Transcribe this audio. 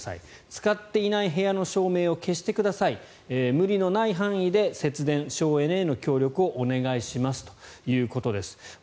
使っていない部屋の照明を消してください無理のない範囲で節電、省エネへの協力をお願いしますということです。